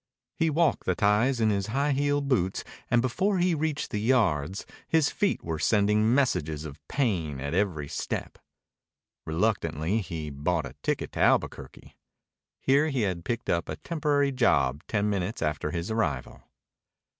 He walked the ties in his high heeled boots, and before he reached the yards his feet were sending messages of pain at every step. Reluctantly he bought a ticket to Albuquerque. Here he had picked up a temporary job ten minutes after his arrival.